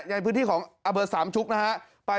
อย่างพื้นที่ของอเบิดสามชุกนะฮะ